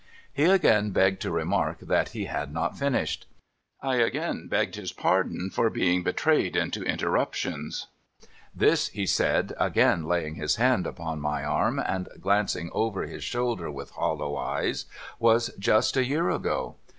He again begged to remark that he had not finished. I again begged his pardon for being betrayed into interruptions. * This,' he said, again laying his hand upon my arm, and glancing over his shoulder with hollow eyes, ' w^as just a year ago.